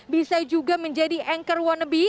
bisa juga menjadi anchor wannabe